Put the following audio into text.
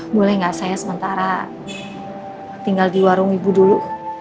boleh nggak saya sementara tinggal di warung ibu dulu